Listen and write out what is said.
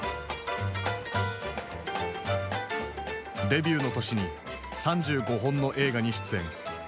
デビューの年に３５本の映画に出演。